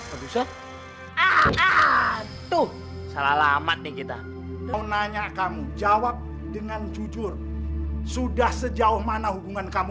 aduh saya aduh salah alamat nih kita mau nanya kamu jawab dengan jujur sudah sejauh mana hubungan kamu